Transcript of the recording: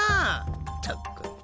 ったく。